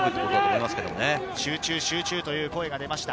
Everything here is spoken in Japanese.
集中、集中という声が出ました。